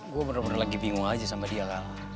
gue bener bener lagi bingung aja sama dia kan